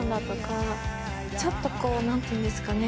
ちょっと何ていうんですかね。